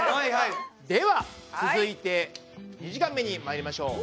では続いて２時間目に参りましょう。